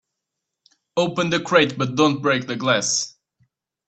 Open the crate but don't break the glass.